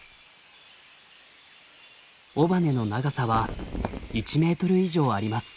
尾羽の長さは１ｍ以上あります。